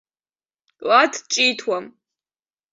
Лад ҿиҭуам.